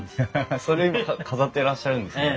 それを飾ってらっしゃるんですね。